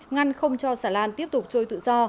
ngăn không cho xà lan tiếp tục trôi tự do